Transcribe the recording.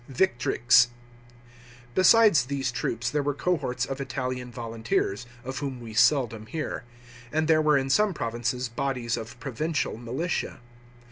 victrix* Besides these troops there were cohorts of Italian volunteers, of whom we seldom hear ; and there were in some provinces bodies of provincial militia.